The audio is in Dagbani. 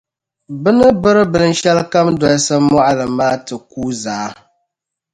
bɛ ni biri binshɛlikam dolisi mɔɣili maa ti kuui zaa.